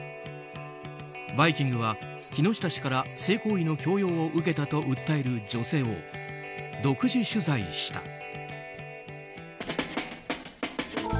「バイキング」は木下氏から性行為の強要を受けたと訴える女性を独自取材した。